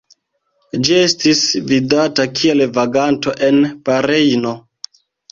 Ĝi estis vidata kiel vaganto en Barejno.